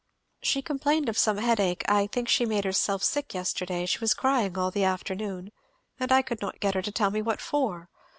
"She complained of some headache I think she made herself sick yesterday she was crying all the afternoon, and I could not get her to tell me what for.